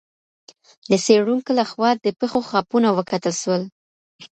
د څېړونکي لخوا د پښو خاپونه وکتل سول.